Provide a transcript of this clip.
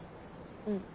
うん。